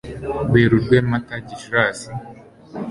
werurwe, mata, gicura